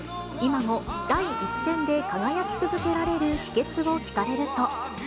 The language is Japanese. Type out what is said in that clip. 今も第一線で輝き続けられる秘けつを聞かれると。